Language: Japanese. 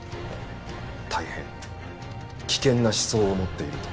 大変危険な思想を持っていると。